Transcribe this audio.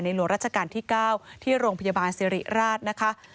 หลวงราชการที่๙ที่โรงพยาบาลสิริราชนะคะ